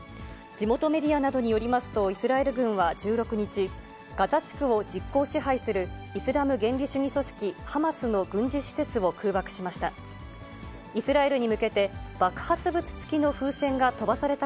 地元メディアなどによりますと、イスラエル軍は１６日、ガザ地区を実効支配するイスラム原理主義組織ハマスの軍事施設を空爆しました。